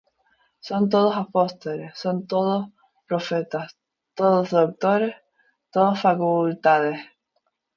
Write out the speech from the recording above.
¿Son todos apóstoles? ¿son todos profetas? ¿todos doctores? ¿todos facultades?